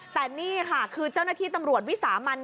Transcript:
แต่นี่ค่ะคือเจ้าหน้าที่ตำรวจวิสามัน